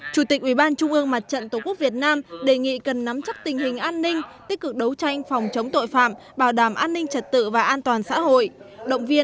chủ tịch ủy ban trung ương mặt trận tổ quốc việt nam đề nghị cần nắm chắc tình hình an ninh tích cực đấu tranh phòng chống tội phạm bảo đảm an ninh trật tự và an toàn xã hội